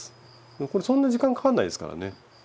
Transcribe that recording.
これそんな時間かかんないですからね。